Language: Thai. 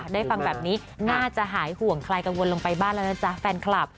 ได้ฟังแบบนี้น่าจะหายห่วงใครกังวลลงไปบ้านแล้วนะจ๊ะแฟนคลับ